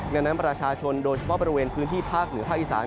ดังนั้นประชาชนโดยชอบประเภทคืนที่ภาคเหนือภาคอิสาน